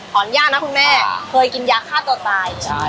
อรญญานะคุณแม่เคยกินยาฆาตต่อตายใช่ค่ะ